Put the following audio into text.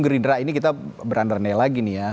gerindra ini kita berandai lagi nih ya